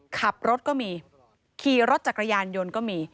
ขับรถก็มีขี่รถจักรยานยนต์ก็มี